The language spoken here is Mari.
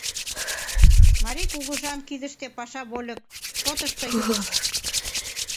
Марий кугыжан кидыште паша вольык шотышто илыш.